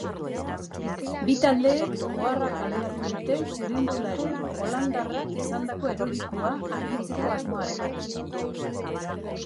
Bi taldeek oharra kaleratu dute txirrindulari holandarrak izandako erorikoa argitzeko asmoarekin.